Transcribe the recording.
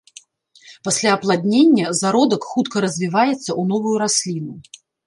Пасля апладнення зародак хутка развіваецца ў новую расліну.